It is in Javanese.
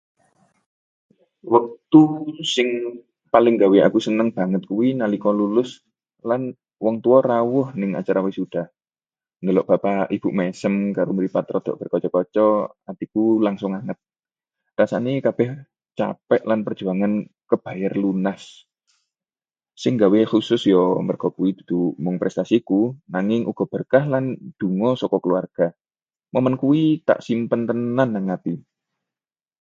Wektu sing paling nggawe aku seneng banget kuwi nalika lulus lan wong tuwa rawuh ning acara wisuda. Delok bapak ibu mesem karo mripat rada berkaca-kaca, atiku langsung anget. Rasane kabeh capek lan perjuangan kebayar lunas. Sing nggawe khusus ya merga kuwi dudu mung prestasiku, nanging uga berkah lan donga saka keluarga. Momen kuwi tak simpen tenan ning ati.